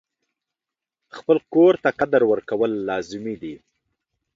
خپل کور ته قدر ورکول لازمي دي.